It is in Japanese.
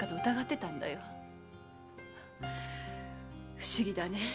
不思議だねえ